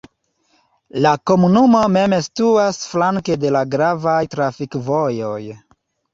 La komunumo mem situas flanke de la gravaj trafikvojoj.